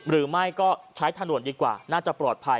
หรือไม่ก็ใช้ถนนดีกว่าน่าจะปลอดภัย